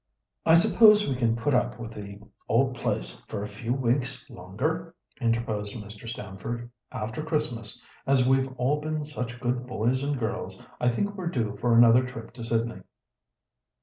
"I suppose we can put up with the old place for a few weeks longer?" interposed Mr. Stamford. "After Christmas, as we've all been such good boys and girls, I think we're due for another trip to Sydney.